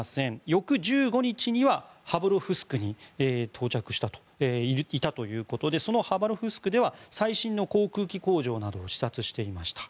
翌１５日にはハバロフスクにいたということでそのハバロフスクでは最新の航空機工場などを視察していました。